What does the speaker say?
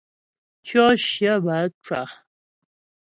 Tyɔ shyə bə á cwa.